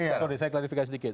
jadi saya klarifikasi sedikit